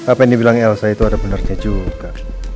apa yang dibilang elsa itu ada benarnya juga